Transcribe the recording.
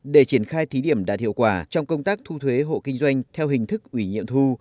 để triển khai thí điểm đạt hiệu quả trong công tác thu thuế hộ kinh doanh theo hình thức ủy nhiệm thu